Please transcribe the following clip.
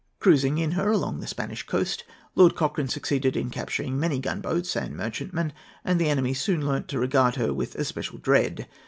Cruising in her along the Spanish coast, Lord Cochrane succeeded in capturing many gunboats and merchantmen, and the enemy soon learnt to regard her with especial dread.